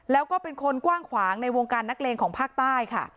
แล้วก็เป็นคนกว้างขวางในวงการนักเลงของภาคใต้ค่ะ